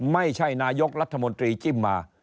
ไม่ใช่นายกรัฐมนตรีจิ้มมา